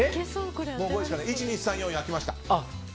１、２、３、４位開きました。